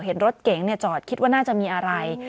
เห็นรถเก๋งจอดคิดว่าน่าจะมีอะไร